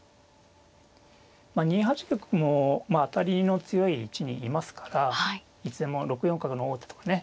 ２八玉も当たりの強い位置にいますからいつでも６四角の王手とかね